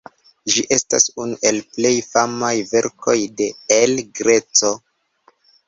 Ĝi estas unu el plej famaj verkoj de El Greco.